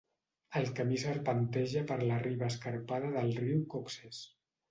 El camí serpenteja per la riba escarpada del riu Coxs.